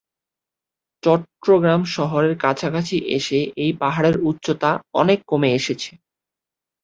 চট্টগ্রাম শহরের কাছাকাছি এসে এই পাহাড়ের উচ্চতা অনেক কমে এসেছে।